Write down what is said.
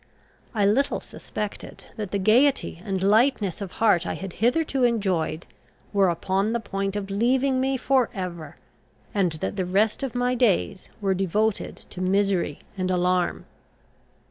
I little suspected that the gaiety and lightness of heart I had hitherto enjoyed were upon the point of leaving me for ever, and that the rest of my days were devoted to misery and alarm.